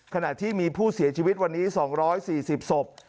ขณะที่มีผู้เสียชีวิตวันนี้๒๔๐ศพ